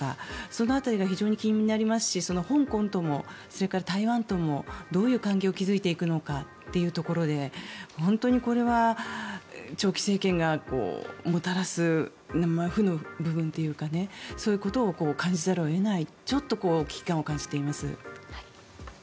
その辺りが非常に気になりますし香港ともそれから台湾ともどういう関係を築いていくのかというところで本当にこれは長期政権がもたらす負の部分というかそういうことを感じざるを得ないちょっと危機感を感じています。